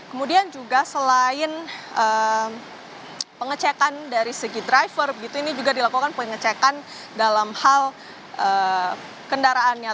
kemudian juga selain pengecekan dari segi driver ini juga dilakukan pengecekan dalam hal kendaraannya